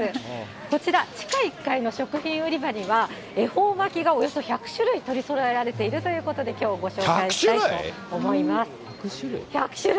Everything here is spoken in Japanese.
こちら、地下１階の食品売り場には恵方巻きがおよそ１００種類取りそろえられているということで、１００種類？